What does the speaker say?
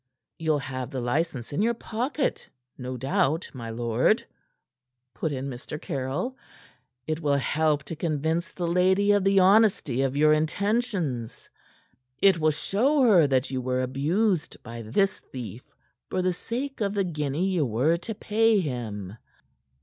"You'll have the license in your pocket, no doubt, my lord," put in Mr. Caryll. "It will help to convince the lady of the honesty of your intentions. It will show her that ye were abused by this thief for the sake of the guinea ye were to pay him."